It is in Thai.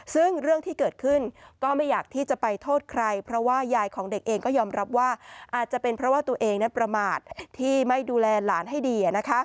ซึ่งเรื่องที่เกิดขึ้นก็ไม่อยากที่จะไปโทษใครเพราะว่ายายของเด็กเองก็ยอมรับว่าอาจจะเป็นเพราะว่าตัวเองนั้นประมาทที่ไม่ดูแลหลานให้ดี